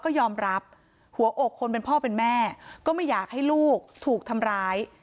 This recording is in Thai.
ก็ยอมรับหัวอกคนเป็นพ่อเป็นแม่ก็ไม่อยากให้ลูกถูกทำร้าย